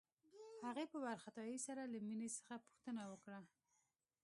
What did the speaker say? هغې په وارخطايۍ سره له مينې څخه پوښتنه وکړه.